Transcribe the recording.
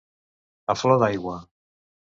A flor d'aigua.